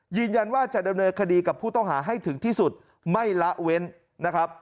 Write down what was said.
ยืนยันว่าจะดำเนินคดีกับผู้ต้องหาให้ถึงที่สุดไม่ละเว้นนะครับ